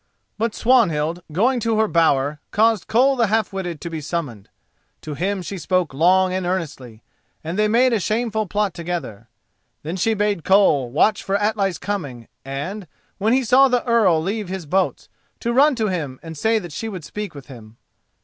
But Swanhild, going to her bower, caused Koll the Half witted to be summoned. To him she spoke long and earnestly, and they made a shameful plot together. Then she bade Koll watch for Atli's coming and, when he saw the Earl leave his boats, to run to him and say that she would speak with him.